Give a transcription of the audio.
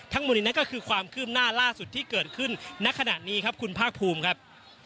ทั้งหมดนี้นั่นก็คือความคืบหน้าล่าสุดที่เกิดขึ้นณขณะนี้ครับคุณภาคภูมิครับ